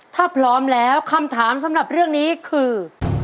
ถ้าพร้อมแล้วคำถามสำหรับเรื่องนี้คือ